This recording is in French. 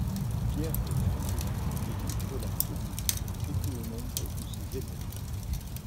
Pierre de Francqueville et Nicolas Tournier étaient au nombre de ses élèves.